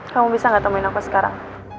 kamu bisa gak temen aku sekarang